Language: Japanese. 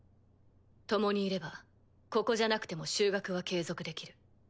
共にいればここじゃなくても就学は継続できる。